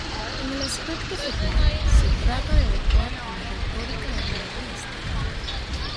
En el aspecto formal se trata de adecuar a la retórica vanguardista.